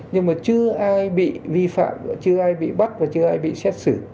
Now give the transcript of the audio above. chưa ai bị vi phạm chưa ai bị bắt và chưa ai bị xét xử